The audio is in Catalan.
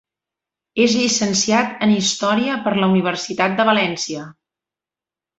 És llicenciat en història per la Universitat de València.